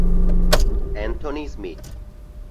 Anthony Smith